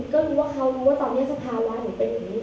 ก็รู้ว่าเขารู้ว่าตอนนี้สภาวะหนูเป็นอย่างนี้